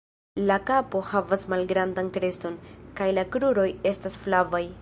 La kapo havas malgrandan kreston, kaj la kruroj estas flavaj.